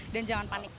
dan jangan panik